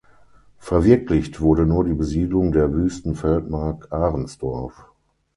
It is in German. Verwirklicht wurde nur die Besiedlung der wüsten Feldmark Ahrensdorf.